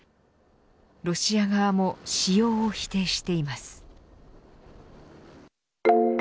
ロシア側も使用を否定しています。